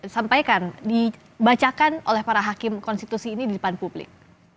sampaikan dibacakan oleh para hakim konstitusi ini di depan publik